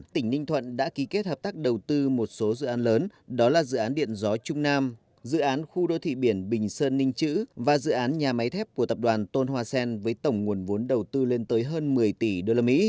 tỉnh ninh thuận đã ký kết hợp tác đầu tư một số dự án lớn đó là dự án điện gió trung nam dự án khu đô thị biển bình sơn ninh chữ và dự án nhà máy thép của tập đoàn tôn hoa sen với tổng nguồn vốn đầu tư lên tới hơn một mươi tỷ usd